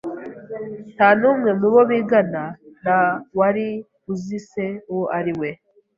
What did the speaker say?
Nta n'umwe mu bo bigana na wari uzi se uwo ari we.